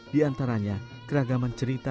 diantaranya keragaman cerita